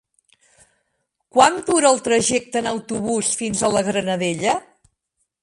Quant dura el trajecte en autobús fins a la Granadella?